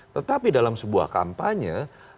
tetapi dalam sebuah kampanye